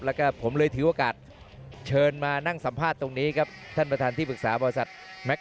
แล้วก็ผมเลยถือโอกาสเชิญมานั่งสัมภาษณ์ตรงนี้ครับท่านประธานที่ปรึกษาบริษัทแม็กซ